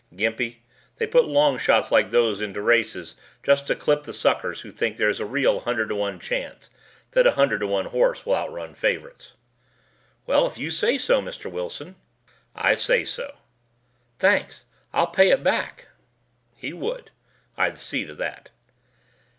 "Gimpy, they put long shots like those into races just to clip the suckers who think there is a real hundred to one chance that a 100:1 horse will outrun favorites." "Well, if you say so, Mr. Wilson." "I say so." "Thanks. I'll pay it back." He would. I'd see to that.